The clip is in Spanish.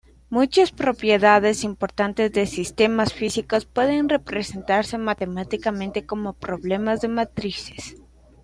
Muchas propiedades importantes de sistemas físicos pueden representarse matemáticamente como problemas de matrices.